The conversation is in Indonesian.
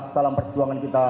salam perjuangan kita